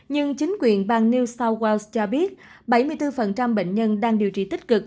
nhưng chính quyền bang new south wales cho biết bảy mươi bốn bệnh nhân đang điều trị tích cực